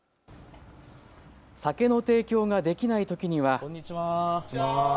酒の提供ができないときには。